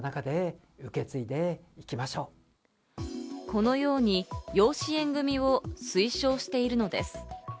このように養子縁組を推奨しているのです。